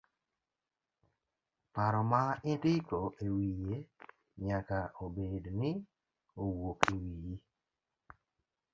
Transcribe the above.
Paro ma indiko ewiye nyaka obed ni owuok ewiyi.